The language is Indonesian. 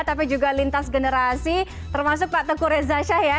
tapi juga lintas generasi termasuk pak teguh reza shah ya